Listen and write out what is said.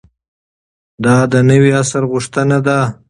دا د نوي عصر غوښتنه ده.